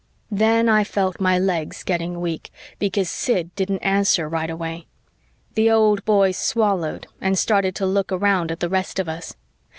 Then I felt my legs getting weak, because Sid didn't answer right away. The old boy swallowed and started to look around at the rest of us.